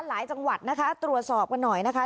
จังหวัดนะคะตรวจสอบกันหน่อยนะคะ